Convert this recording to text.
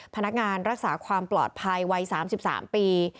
พนักงานรักษาความปลอดภัยวัย๓๓ปี